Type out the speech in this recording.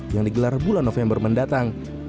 yang digelar bulan november mendatang